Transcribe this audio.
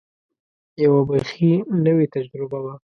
یوه بېخي نوې تجربه وه.